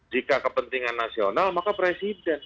jika kepentingan nasional maka presiden